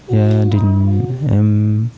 gia đình em